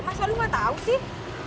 masa lo gak tahu sih